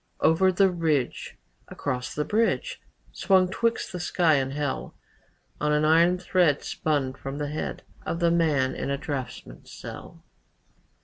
Over the ridge, Across the bridge, Swung twixt the sky and hell, On an iron thread Spun from the head Of the man in a draughtsman's cell.